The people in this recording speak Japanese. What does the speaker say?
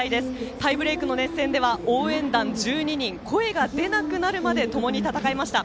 タイブレークの熱戦では応援団１２人声が出なくなるまでともに戦いました。